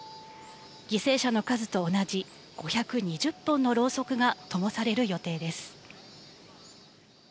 犠牲者の数と同じ５２０本のろうそくがともされる予定です。